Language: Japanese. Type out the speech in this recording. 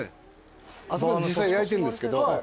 あそこで実際焼いてるんですけど。